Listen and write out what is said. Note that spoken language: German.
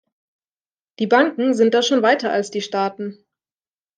Die Banken sind da schon weiter als die Staaten.